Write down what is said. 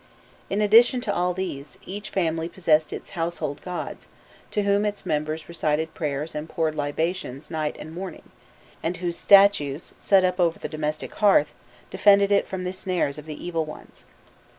* In addition to all these, each family possessed its household gods, to whom its members recited prayers and poured libations night and morning, and whose statues set up over the domestic hearth defended it from the snares of the evil ones.